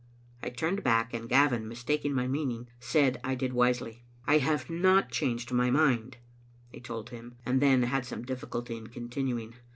I turned back, and Gavin, mistaking my meaning, said I did wisely. " I have not changed my mind," I told him, and then had some difl&culty in continuing.